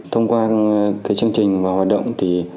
thông qua chương trình hoạt động